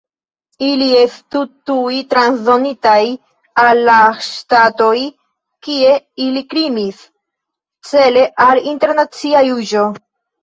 Ili estu tuj transdonitaj al la ŝtatoj, kie ili krimis, cele al internacia juĝo.